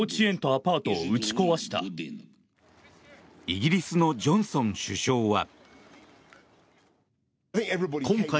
イギリスのジョンソン首相は。